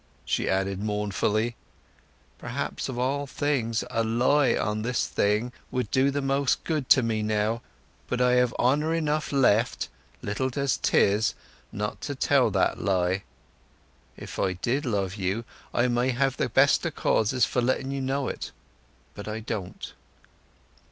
She added mournfully, "Perhaps, of all things, a lie on this thing would do the most good to me now; but I have honour enough left, little as 'tis, not to tell that lie. If I did love you, I may have the best o' causes for letting you know it. But I don't."